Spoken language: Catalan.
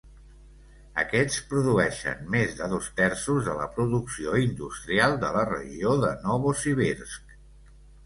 Aquests produeixen més de dos terços de la producció industrial de la regió de Novosibirsk.